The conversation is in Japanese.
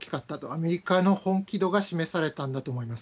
アメリカの本気度が示されたんだと思います。